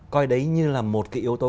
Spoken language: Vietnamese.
coi đấy như là một cái yếu tố